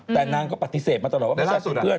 แต่นางก็ปฏิเสธมาตลอดว่าเขาเป็นเพื่อน